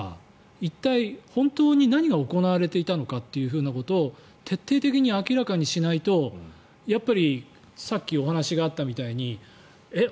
一体、本当に何が行われていたのかということを徹底的に明らかにしないとさっきお話があったみたいにえっ？